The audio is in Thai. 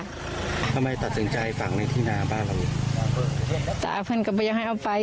ทำไมตัดสินใจฝังในที่นาบ้านเราอีกแล้วตาเพื่อนก็ไม่อยากให้เอาไป